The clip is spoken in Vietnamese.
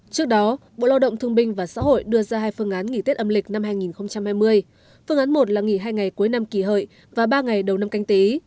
trước đó bộ lao động thương binh và xã hội đưa ra hai phương án nghỉ tết âm lịch năm hai nghìn hai mươi phương án một là nghỉ hai ngày cuối năm kỷ hợi và ba ngày đầu năm canh tí